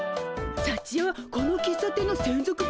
さちよこの喫茶店のせんぞく